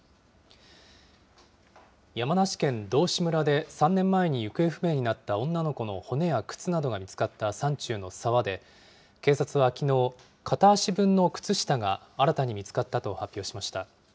山梨県道志村で３年前に行方不明になった女の子の骨や靴などが見つかった山中の沢で、警察はきのう、片足分の靴下が新たに見つかったと発表しました。